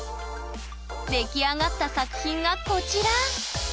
出来上がった作品がこちら！